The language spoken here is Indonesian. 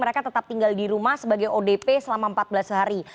mereka tetap tinggal di rumah sebagai odp selama empat belas hari